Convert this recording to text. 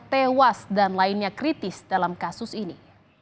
tewas dan lainnya kritis dalam kasus ini